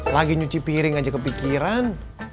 lagi nyuci piring aja kepikiran